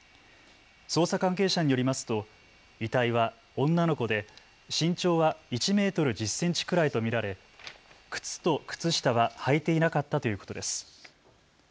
捜査関係者によりますと遺体は女の子で身長は１メートル１０センチくらいと見られ靴と靴下は履いていなかったということです。